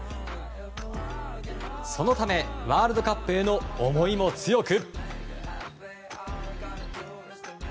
そのため、ワールドカップへの思いも強く。